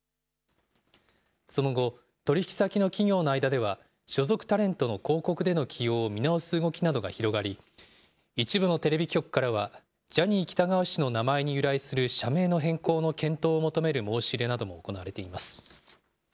その後、取り引き先の企業の間では、所属タレントの広告での起用を見直す動きなどが広がり、一部のテレビ局からは、ジャニー喜多川氏の名前に由来する社名の変更の検討を求める申し入れなども行われています。